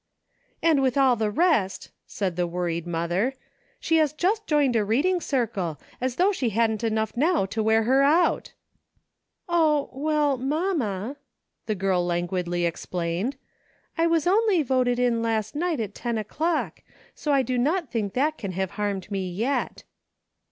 "And with all the rest," said the worried mother, "she has just joined a reading circle; as though she hadn't enough now to wear her out !"" O, well, mamma !" the girl languidly explained, "I was only voted in last night at ten o'clock, so I do not think that can have harmed me yet."